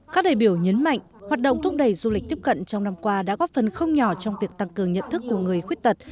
các đại biểu nhấn mạnh hoạt động thúc đẩy du lịch tiếp cận trong năm qua đã góp phần không nhỏ trong việc tăng cường nhận thức của người khuyết tật